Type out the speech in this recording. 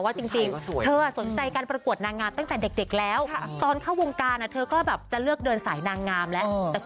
ว่าจริงเธอสนใจการประกวดนางงามตั้งแต่เด็กแล้ว